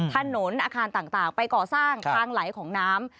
อาคารต่างไปก่อสร้างทางไหลของน้ำ